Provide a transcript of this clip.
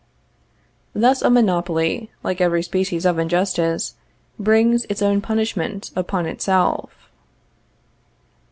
Thus, a monopoly, like every species of injustice, brings its own punishment upon itself.